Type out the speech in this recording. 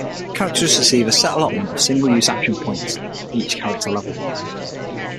Characters receive a set allotment of single-use action points each character level.